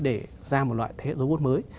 để ra một loại thế hệ robot mới